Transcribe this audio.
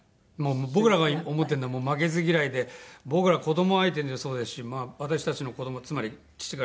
僕らが思ってるのは負けず嫌いで僕ら子ども相手にもそうですし私たちの子どもつまり父からしたら孫相手の。